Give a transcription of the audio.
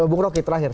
bung roky terakhir